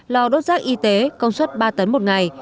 lò đốt rác y tế công suất ba tấn một ngày